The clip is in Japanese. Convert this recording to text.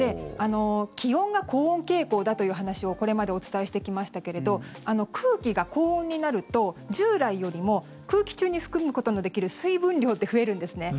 気温が高温傾向だという話をこれまでお伝えしてきましたけど空気が高温になると従来よりも空気中に含むことのできる水分量って増えるんですね。